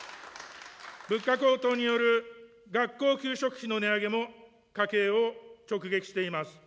物価高騰による学校給食費の値上げも家計を直撃しています。